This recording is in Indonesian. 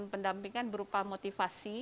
pendampingan berupa motivasi